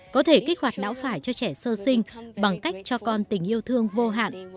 có thể kích hoạt não phải cho trẻ sơ sinh bằng cách cho con tình yêu thương vô hạn